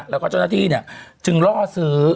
แล้วก็เจ้าหน้าที่จึงล่อซื้อ